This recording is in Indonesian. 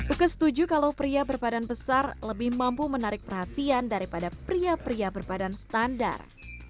uke setuju kalau pria berpadan besar lebih mampu menarik perhatian daripada pria pria berbadan standar